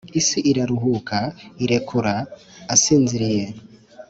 isi iraruhuka, irekura; asinziriye,